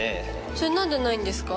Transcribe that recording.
それなんでないんですか？